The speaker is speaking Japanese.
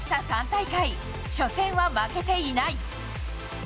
３大会、初戦は負けていない。